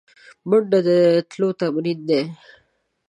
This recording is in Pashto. منډه د تلو تمرین دی